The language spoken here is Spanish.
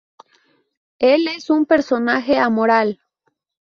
Él es un personaje amoral.